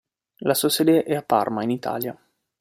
La sua sede è a Parma, in Italia.